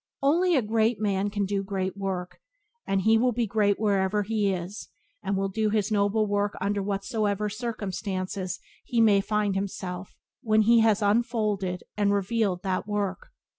Only a great man can do a great work; and he will be great wherever he is, and will do his noble work under whatsoever conditions he may find himself when he has unfolded and revealed that work.